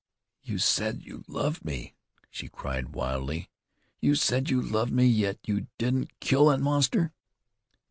"You said you loved me," she cried wildly. "You said you loved me, yet you didn't kill that monster!"